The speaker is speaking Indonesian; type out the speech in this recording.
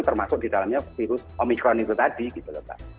termasuk di dalamnya virus omikron itu tadi gitu loh pak